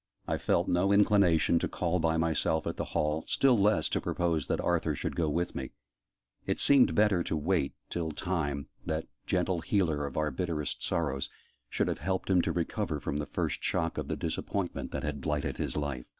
I felt no inclination to call by myself at the Hall; still less to propose that Arthur should go with me: it seemed better to wait till Time that gentle healer of our bitterest sorrows should have helped him to recover from the first shock of the disappointment that had blighted his life.